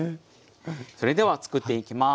それではつくっていきます。